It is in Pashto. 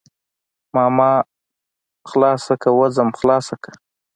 ماما خلاصه که وځم خلاصه که.